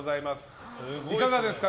いかがですか？